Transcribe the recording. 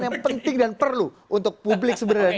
yang penting dan perlu untuk publik sebenarnya